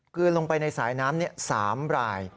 เกิดลงไปในสายน้ำ๓ไร